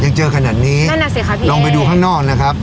เจอขนาดนี้นั่นน่ะสิครับพี่ลองไปดูข้างนอกนะครับ